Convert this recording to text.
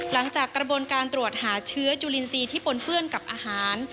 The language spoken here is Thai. หลังจากกระบวนการตรวจหาเชื้อจุลินทรีย์ที่ปนเปื้อนกับอาหาร